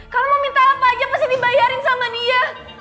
kalau mau minta apa aja pasti dibayarin sama dia